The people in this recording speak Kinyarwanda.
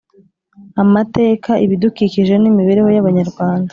amateka, ibidukikije n'imibereho y'abanyarwanda